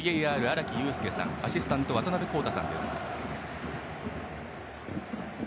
ＶＡＲ、荒木友輔さんアシスタントは渡辺康太さんです。